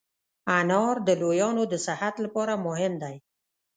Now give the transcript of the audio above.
انار د لویانو د صحت لپاره مهم دی.